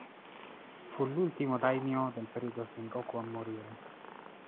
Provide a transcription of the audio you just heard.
Fu l'ultimo daimyo del periodo Sengoku a morire.